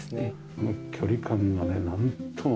この距離感がねなんとも。